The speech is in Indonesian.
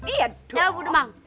iya udah bang